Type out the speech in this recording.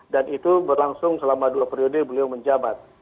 dan itu berlangsung selama dua periode beliau menjabat